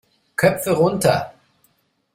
Köpfe runter!